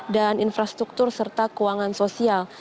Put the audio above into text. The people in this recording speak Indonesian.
dan infrastruktur serta keuangan sosial